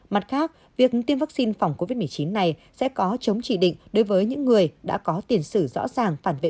mặt khác việc tiêm vaccine phòng covid một mươi chín này sẽ có chống chỉ định đối với những người đã có tiền sử rõ ràng phản vệ